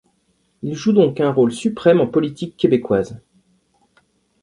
Il joue donc un rôle suprême en politique québécoise.